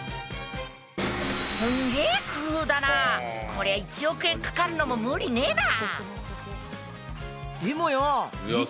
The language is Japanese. こりゃ１億円かかるのもムリねえな！